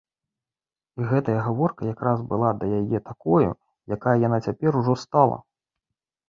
І гэтая гаворка якраз была да яе такою, якая яна цяпер ужо стала.